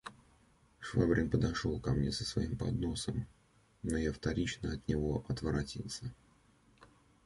Швабрин подошел ко мне с своим подносом; но я вторично от него отворотился.